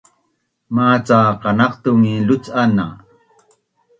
maca kanaqtungin lucan na